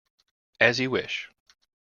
As you wish.